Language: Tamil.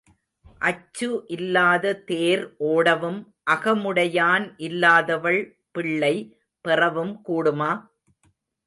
அச்சு இல்லாத தேர் ஓடவும் அகமுடையான் இல்லாதவள் பிள்ளை பெறவும் கூடுமா?